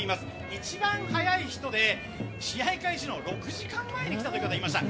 一番早い人で試合開始の６時間前に来たという方がいました。